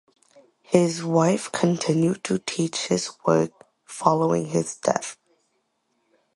His wife continued to teach his work following his death.